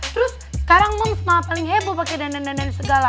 terus sekarang moms paling heboh pakai dandan segala